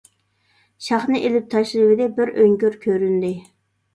شاخنى ئېلىپ تاشلىۋىدى، بىر ئۆڭكۈر كۆرۈندى.